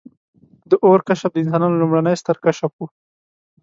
• د اور کشف د انسانانو لومړنی ستر کشف و.